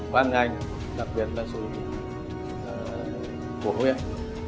văn ngành đặc biệt là sở hữu của huyện